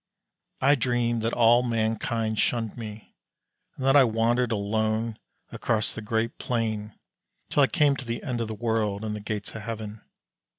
I dreamed that all mankind shunned me, and that I wandered alone across the great plain till I came to the end of the world and the gates of Heaven.